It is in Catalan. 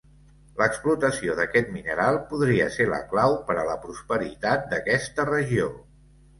L'explotació d'aquest mineral podria ser la clau per a la prosperitat d'aquesta regió.